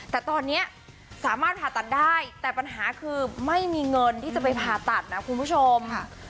แต่ตอนนี้สามารถผ่าตัดได้แต่ปัญหาคือไม่มีเงินที่จะไปผ่าตัดนะคุณผู้ชม